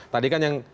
tadi kan yang